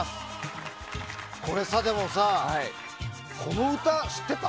これさ、でもさこの歌、知ってた？